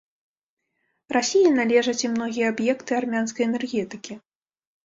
Расіі належаць і многія аб'екты армянскай энергетыкі.